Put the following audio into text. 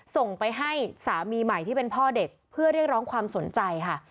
ส่งไปให้สามีใหม่ที่เป็นพ่อเด็กเพื่อเรียกร้องความสนใจค่ะ